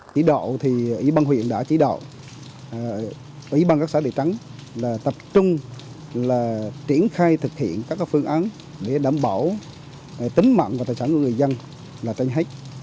chỉ đạo thì ủy ban huyện đã chỉ đạo ủy ban các xã địa trắng là tập trung là triển khai thực hiện các phương án để đảm bảo tính mạng và tài sản của người dân là trên hết